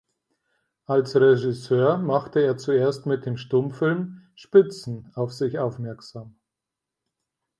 Als Regisseur machte er zuerst mit dem Stummfilm "Spitzen" auf sich aufmerksam.